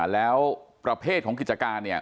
แล้วประเภทของกิจการ